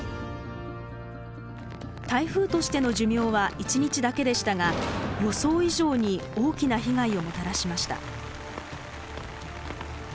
台風としての寿命は１日だけでしたが予想以上に大きな被害をもたらしました。